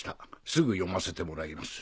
すぐ読ませてもらいます。